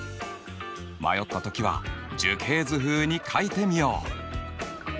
迷った時は樹形図風に書いてみよう。